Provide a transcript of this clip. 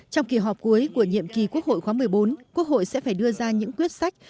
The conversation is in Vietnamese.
trong kỳ họp cuối của nhiệm kỳ quốc hội khóa một mươi bốn quốc hội sẽ phải đưa ra những quyết sách